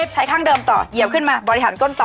ใช้ข้างเดิมต่อเหยียบขึ้นมาบริหารก้นต่อ